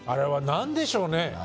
何でしょうね。